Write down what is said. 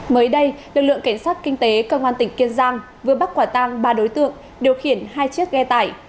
mới đây lực lượng cảnh sát kinh tế công an tỉnh kiên giang vừa bắt quả tang ba đối tượng điều khiển hai chiếc ghe tải